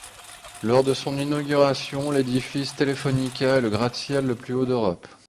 Lors de son inauguration, l'édifice Telefónica est le gratte-ciel le plus haut d'Europe.